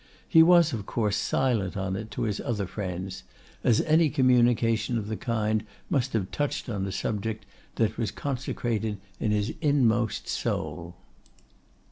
He was, of course, silent on it to his other friends; as any communication of the kind must have touched on a subject that was consecrated in his inmost soul.